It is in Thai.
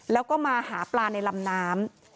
แล้วก็มาหาปลาในลำน้ำ